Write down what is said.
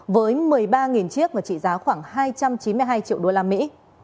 với một mươi ba chiếc và trị giá khoảng hai trăm chín mươi hai triệu đô la mỹ